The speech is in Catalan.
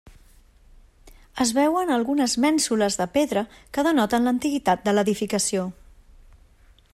Es veuen algunes mènsules de pedra que denoten l'antiguitat de l'edificació.